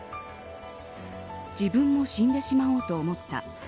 自分も死んでしまおうと思った。